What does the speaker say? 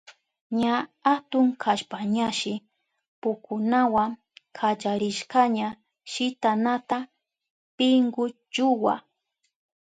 Ña atun kashpañashi pukunawa kallarishkaña shitanata pinkulluwa.